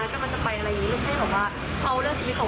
ไม่ใช่แบบว่าเอาเรื่องชีวิตของคนอื่นมาเล่นสนุกอะไรแบบนี้ค่ะ